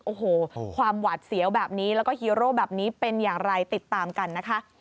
โอ้โหความหวาดเสียวแบบนี้แล้วก็ฮีโร่แบบนี้เป็นอย่างไรติดตามกันนะคะ